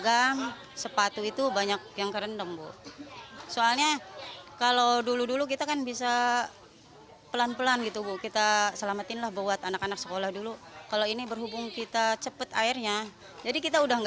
anak susu serta popok bayi